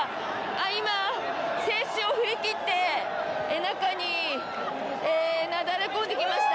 今、制止を振り切って中になだれ込んでいきました。